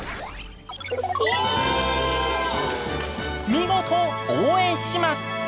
見事「応援します」！